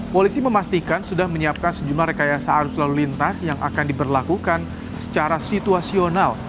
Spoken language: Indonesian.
polisi memastikan sudah menyiapkan sejumlah rekayasa arus lalu lintas yang akan diberlakukan secara situasional